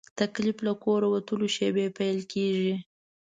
تکلیف له کوره وتلو شېبې پیل کېږي.